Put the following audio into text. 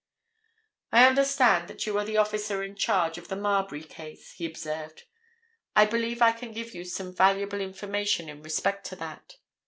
"I understand that you are the officer in charge of the Marbury murder case," he observed. "I believe I can give you some valuable information in respect to that.